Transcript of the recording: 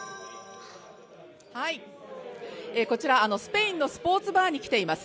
こちら、スペインのスポーツバーに来ています。